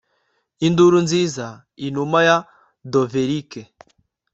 induru nziza, inuma ya dovelike